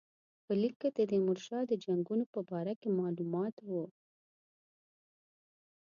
په لیک کې د تیمورشاه د جنګونو په باره کې معلومات وو.